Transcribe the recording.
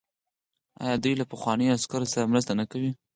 آیا دوی له پخوانیو عسکرو سره مرسته نه کوي؟